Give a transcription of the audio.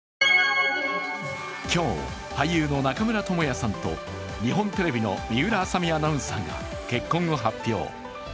今日、俳優の中村倫也さんと日本テレビの水卜麻美アナウンサーが結婚を発表。